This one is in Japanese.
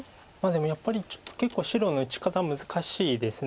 でもやっぱり結構白の打ち方難しいです。